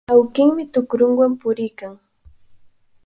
Awkinmi tukrunwan puriykan.